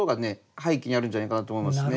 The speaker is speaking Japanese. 背景にあるんじゃないかなと思いますね。